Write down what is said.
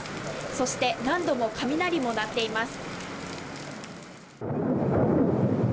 そして何度も雷も鳴っています。